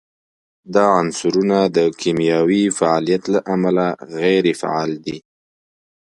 دا عنصرونه د کیمیاوي فعالیت له امله غیر فعال دي.